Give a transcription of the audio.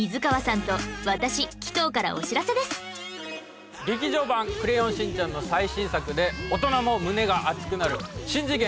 最後に劇場版『クレヨンしんちゃん』の最新作で大人も胸が熱くなる『しん次元！